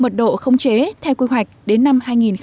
mật độ không chế theo quy hoạch đến năm hai nghìn ba mươi